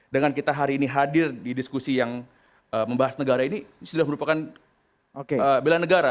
dengan kita hari ini hadir di diskusi yang membahas negara ini sudah merupakan bela negara